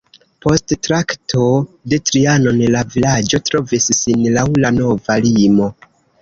Post Traktato de Trianon la vilaĝo trovis sin laŭ la nova limo.